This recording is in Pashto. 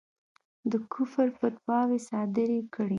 د کُفر فتواوې صادري کړې.